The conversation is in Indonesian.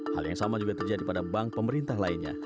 hal yang sama juga terjadi pada bank pemerintah lainnya